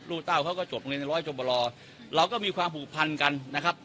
เต้าเขาก็จบโรงเรียนร้อยจบรอเราก็มีความผูกพันกันนะครับ